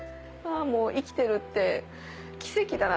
生きてるって奇跡だな。